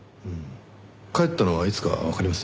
帰ったのはいつかわかります？